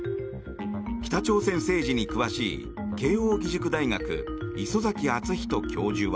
北朝鮮政治に詳しい慶應義塾大学礒崎敦仁教授は。